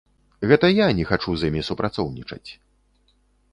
Гэта я не хачу з імі супрацоўнічаць.